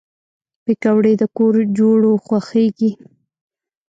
پکورې د کور جوړو خوښېږي